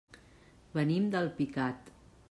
Venim d'Alpicat.